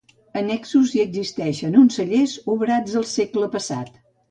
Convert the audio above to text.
Annexos hi existeixen uns cellers obrats el segle passat.